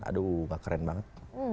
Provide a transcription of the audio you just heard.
aduh gak keren banget